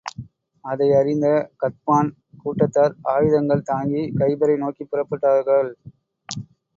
அதை அறிந்த கத்பான் கூட்டத்தார் ஆயுதங்கள் தாங்கி, கைபரை நோக்கிப் புறப்பட்டாகள்.